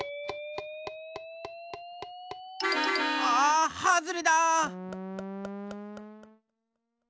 あはずれだ！